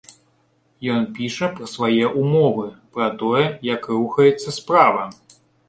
Ён піша пра свае ўмовы, пра тое, як рухаецца справа.